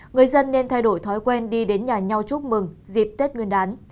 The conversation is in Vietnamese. người dân nên thay đổi thói quen đi đến nhà nhau chúc mừng dịp tết nguyên đán